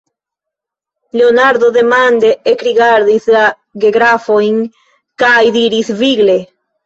Leonardo demande ekrigardis la gegrafojn, kaj diris vigle: